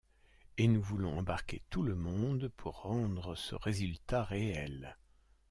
Et nous voulons embarquer tout le monde pour rendre ce résultat réel.